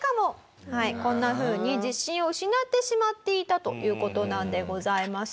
こんなふうに自信を失ってしまっていたという事なんでございます。